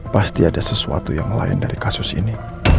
pasti ada sesuatu yang lain dari kasus ini